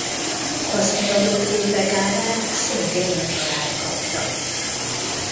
Az eladott képek árát szintén a család kapta.